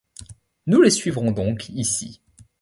Nous les suivrons donc ici.